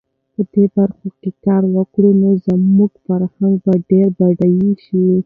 په دې برخو کې کار وکړي، نو زموږ فرهنګ به ډېر بډایه شي.